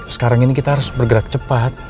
sekarang ini kita harus bergerak cepat